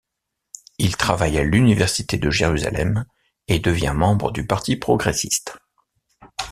Il travaille à l'université de Jérusalem et devient membre du Parti progressiste.